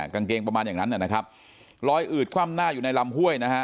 กางเกงประมาณอย่างนั้นนะครับลอยอืดคว่ำหน้าอยู่ในลำห้วยนะฮะ